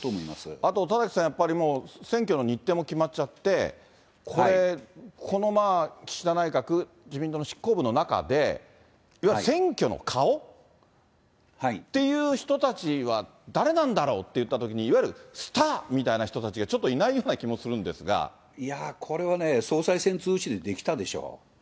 あと田崎さん、やっぱりもう、選挙の日程も決まっちゃって、これ、この岸田内閣、自民党の執行部の中で、いわゆる選挙の顔っていう人たちは誰なんだろうっていったときに、いわゆるスターみたいな人たちが、ちょっといないような気がするんいやぁ、これはね、総裁選通じて、できたでしょ。